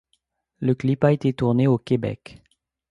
Le clip a été tourné au Québec.